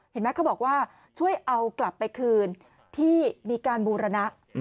เห็นไหมเขาบอกว่าช่วยเอากลับไปคืนที่มีการบูรณะ